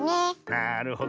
なるほど。